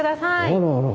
あらあら。